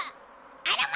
あらま！